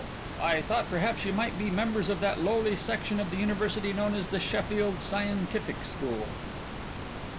I thought perhaps you might be members of that lowly section of the university known as the Sheffield Scientific School."